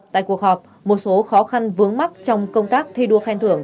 tại cuộc họp một số khó khăn vướng mắt trong công tác thi đua khen thưởng